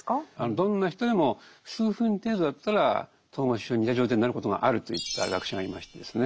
どんな人でも数分程度だったら統合失調症に似た状態になることがあると言った学者がいましてですね